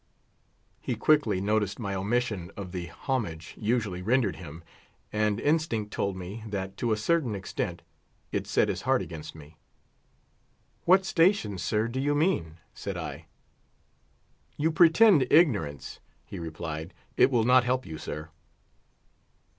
He quickly noticed my omission of the homage usually rendered him, and instinct told me, that to a certain extent, it set his heart against me. "What station, sir, do you mean?" said I. "You pretend ignorance," he replied; "it will not help you, sir."